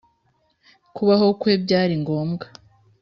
kubaho kwe byari ngombwa,